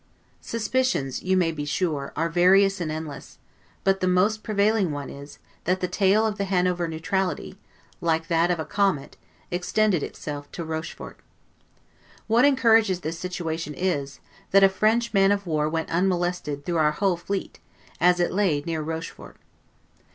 Suspicions, you may be sure, are various and endless, but the most prevailing one is, that the tail of the Hanover neutrality, like that of a comet, extended itself to Rochfort. What encourages this suspicion is, that a French man of war went unmolested through our whole fleet, as it lay near Rochfort.